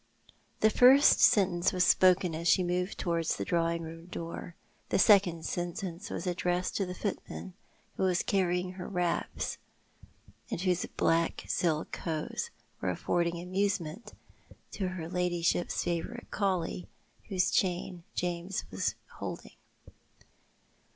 The first sentence was spoken as she moved towards the drawing room door : the second sentence was addressed to the footman who was carrying her wraps, and whose black silk hose were affording amusement to her ladyship's favourite collie, whose chain James was holding.